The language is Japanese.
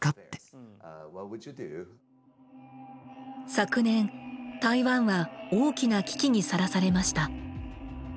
昨年台湾は大きな危機にさらされました。